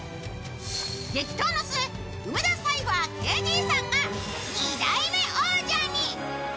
激闘の末、梅田サイファーＫＺさんが２代目王者に。